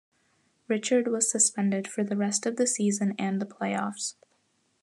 Richard was suspended for the rest of the season and the playoffs.